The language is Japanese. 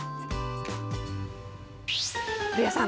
古谷さん